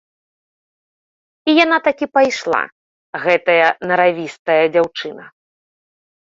І яна такі пайшла, гэтая наравістая дзяўчына.